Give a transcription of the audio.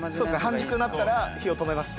半熟になったら火を止めます。